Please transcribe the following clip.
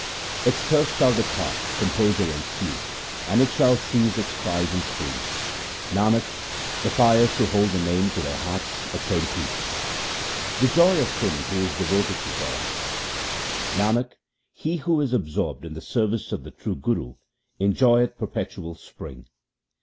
Its thirst shall depart, composure ensue ; and it shall cease its cries and screams. 252 THE SIKH RELIGION Nanak, the pious who hold the Name to their hearts, obtain peace. The joy of him who is devoted to God :— Nanak, he who is absorbed in the service of the true Guru, enjoyeth perpetual spring.